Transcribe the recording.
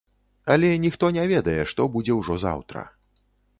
Але ніхто не ведае, што будзе ўжо заўтра.